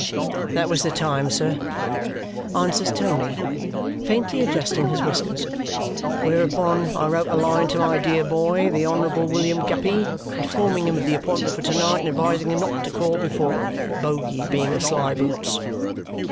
"That was the time, sir," answers Tony, faintly adjusting his whiskers. "Whereupon I wrote a line to my dear boy, the Honourable William Guppy, informing him of the appointment for to night and advising him not to call before, Boguey being a slyboots."